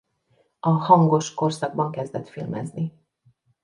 A hangos korszakban kezdett filmezni.